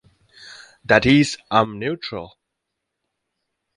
That is, I'm neutral.